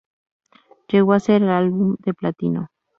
Llegó a ser álbum de platino.